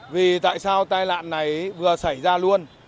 vì tại sao tai nạn này vừa xảy ra luôn